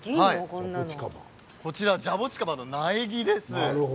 ジャボチカバの苗木です。